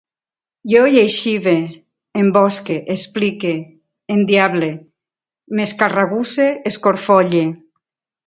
Jo lleixive, embosque, explique, endiable, m'escagarrusse, escorfolle